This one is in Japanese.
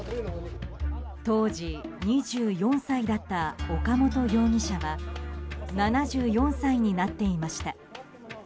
当時２４歳だった岡本容疑者は７４歳になっていました。